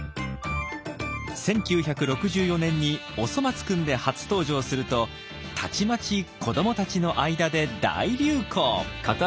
１９６４年に「おそ松くん」で初登場するとたちまち子どもたちの間で大流行。